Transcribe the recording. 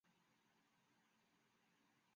于是乎腓特烈踏上前往日尔曼的道路。